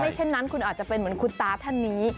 เช่นนั้นคุณอาจจะเป็นเหมือนคุณตาท่านนี้